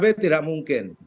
bagi pkb tidak mungkin